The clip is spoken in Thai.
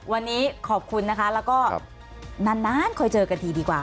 วันนี้ขอบคุณและนานคอยเจอกันทีดีกว่า